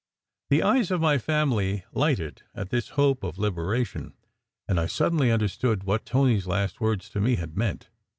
The eyes of my family lighted at this hope of liberation, and I suddenly under stood what Tony s last words to me had meant.